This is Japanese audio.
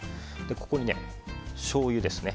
ここにしょうゆですね。